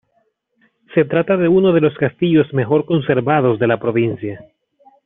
Se trata de uno de los castillos mejor conservados de la provincia.